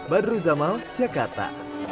badru jamal jakarta